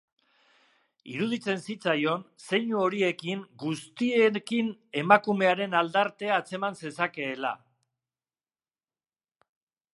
Iruditzen zitzaion zeinu horiekin guztiekin emakumearen aldartea antzeman zezakeela.